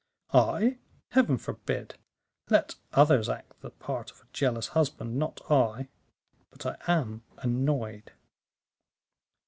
"I! Heaven forbid. Let others act the part of a jealous husband, not I. But I am annoyed."